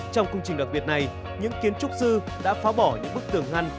trong công trình đặc biệt này những kiến trúc sư đã phá bỏ những bức tường ngăn